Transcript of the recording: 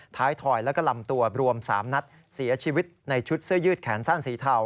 ทอยแล้วก็ลำตัวรวม๓นัดเสียชีวิตในชุดเสื้อยืดแขนสั้นสีเทา